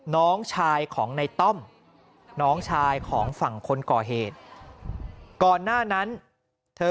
น้องชายของในต้อมน้องชายของฝั่งคนก่อเหตุก่อนหน้านั้นเธอ